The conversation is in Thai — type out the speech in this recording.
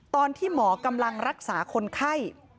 ตอนที่หมอกำลังรักษาคนไข้